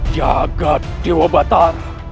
jagad dewa batara